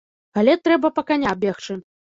Але трэба па каня бегчы.